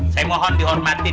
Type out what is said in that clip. saya mohon dihormatin